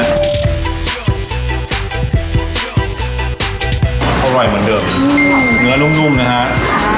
อร่อยเหมือนเดิมเนื้อนุ่มนะฮะ